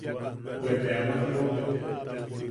Bwe ne aman jiʼobek.